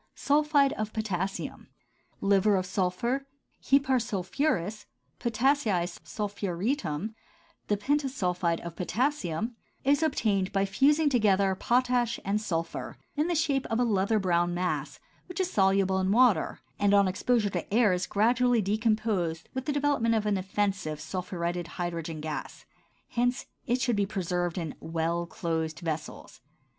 SULPHIDE OF POTASSIUM, liver of sulphur, hepar sulphuris, potassii sulphuretum, the pentasulphide of potassium, is obtained by fusing together potash and sulphur, in the shape of a leather brown mass which is soluble in water and on exposure to the air is gradually decomposed with the development of the offensive sulphuretted hydrogen gas; hence it should be preserved in well closed vessels.